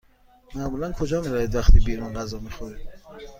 معمولا کجا می روید وقتی بیرون غذا می خورید؟